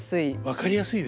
分かりやすいですね。